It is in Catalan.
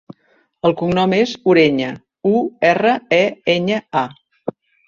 El cognom és Ureña: u, erra, e, enya, a.